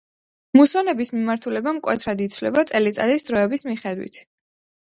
მუსონების მიმართულება მკვეთრად იცვლება წელიწადის დროების მიხედვით.